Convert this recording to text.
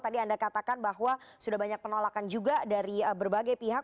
tadi anda katakan bahwa sudah banyak penolakan juga dari berbagai pihak